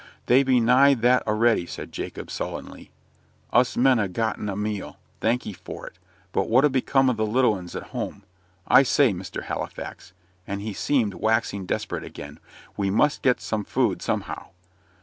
"They be nigh that a'ready," said Jacob, sullenly. "Us men ha' gotten a meal, thankee for it; but what'll become o' the little 'uns at home? I say, Mr. Halifax," and he seemed waxing desperate again, "we must get some food somehow."